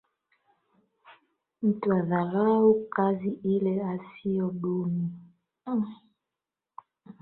Mtu hadharau kazi, ile ahisiyo duni